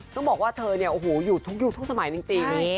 ต้องบอกว่าเธออยู่ทุกสมัยจริง